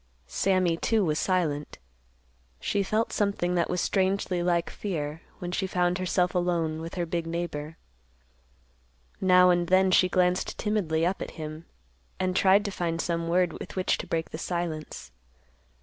Sammy, too, was silent. She felt something that was strangely like fear, when she found herself alone with her big neighbor. Now and then she glanced timidly up at him and tried to find some word with which to break the silence.